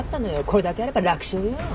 これだけあれば楽勝よ。